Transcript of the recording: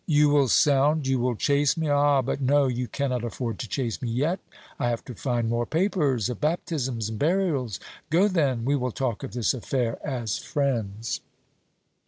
"You will sound you will chase me! Ah, but no! you cannot afford to chase me yet. I have to find more papers of baptisms and burials. Go, then, we will talk of this affair as friends."